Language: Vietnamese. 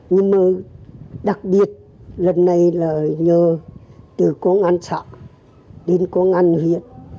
nhưng mà đặc biệt lần này là nhờ từ công an xã đến công an huyện